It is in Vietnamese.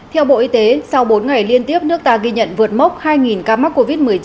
theo bộ y tế sau bốn ngày liên tiếp nước ta ghi nhận vượt mốc hai ca mắc covid một mươi chín